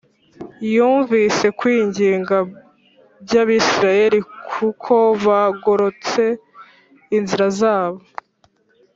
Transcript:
yumvise kwinginga by Abisirayeli kuko bagoretse inzira zabo